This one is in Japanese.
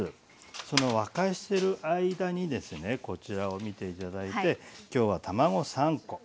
その沸かしてる間にですねこちらを見て頂いて今日は卵３コ。